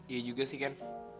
iya juga sih ken